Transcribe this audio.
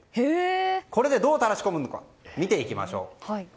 どうたらし込むのか見ていきましょう。